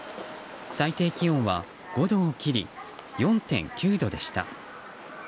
最低気温は５度を切り４．９度でした。